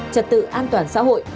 trật tự an toàn xã hội